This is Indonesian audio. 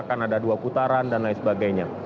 akan ada dua putaran dan lain sebagainya